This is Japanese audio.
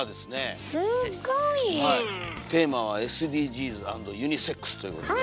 「テーマはＳＤＧｓ＆ユニセックス」ということで。